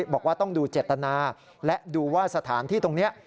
บอกว่าต้องดูเจตนาและดูว่าสถานที่ตรงนี้